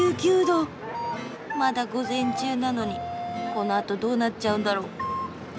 まだ午前中なのにこのあとどうなっちゃうんだろう？